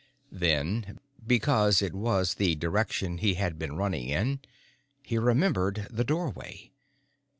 Then because it was the direction he had been running in he remembered the doorway.